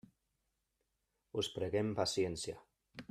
Us preguem paciència.